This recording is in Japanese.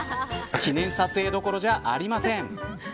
記念撮影どころではありません。